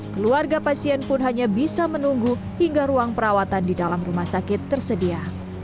keluarga pasien pun hanya bisa menunggu hingga ruang perawatan di dalam rumah sakit tersedia